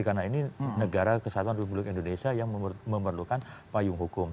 karena ini negara kesatuan dan kemuliaan indonesia yang memerlukan payung hukum